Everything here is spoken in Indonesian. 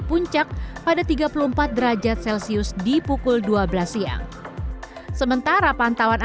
puncak pada tiga puluh empat derajat celcius di pukul dua belas siang sementara pantauan